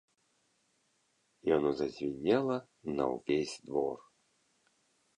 Яно зазвінела на ўвесь двор.